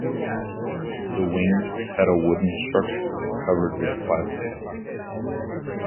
The wings had a wooden structure, covered with plywood.